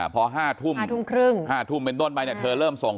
พอ๕ทุ่ม